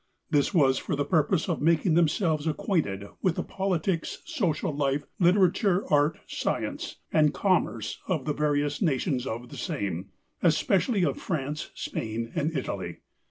This was for the purpose of making themselves acquainted with the politics, social life, literature, art, science, and commerce of the various nations of the same, especially of France, Spain, and Italy.